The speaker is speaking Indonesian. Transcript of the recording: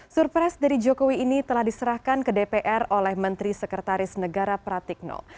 surpres dari jokowi ini telah diserahkan ke dpr oleh menteri sekretaris negara pratikno